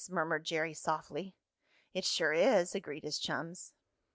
murmured Jerry softly. "It sure is," agreed his chums.